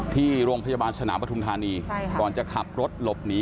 ที่โรงพยาบาลสนามปฐุมธานีก่อนจะขับรถหลบหนี